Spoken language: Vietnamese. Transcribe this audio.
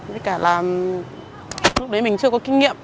với cả là lúc đấy mình chưa có kinh nghiệm